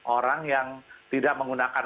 orang yang tidak menggunakan